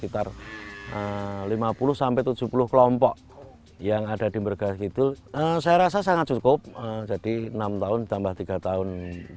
enam tahun ditambah tiga tahun